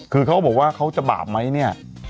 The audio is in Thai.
คือเขาก็บอกว่าเขาจะบาปไหมเนี่ย